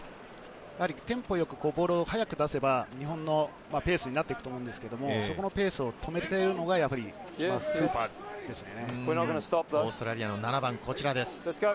テンポよくボールを速く出せば日本のペースになっていくと思うんですけど、そこのペースを止めてるのがフーパーですね。